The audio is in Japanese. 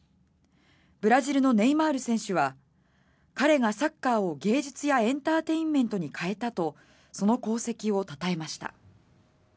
ブラジルのネイマール選手は彼がサッカーを芸術やエンターテインメントに変えたとその功績をたたえました。